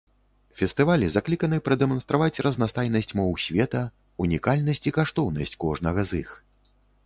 Фестывалі закліканы прадэманстраваць разнастайнасць моў света, унікальнасць і каштоўнасць кожнага з іх.